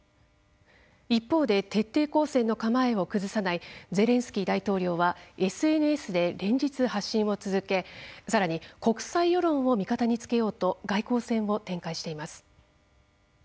一方で徹底抗戦の構えを崩さないゼレンスキー大統領はＳＮＳで連日発信を続けさらに国際世論を味方につけようと外交戦を展開しています。